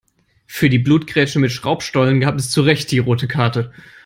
Für diese Blutgrätsche mit Schraubstollen gab es zurecht die rote Karte.